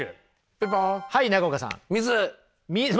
ピンポン。